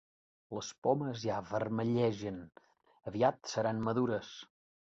Les pomes ja vermellegen: aviat seran madures.